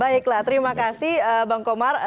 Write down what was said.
baiklah terima kasih bang komar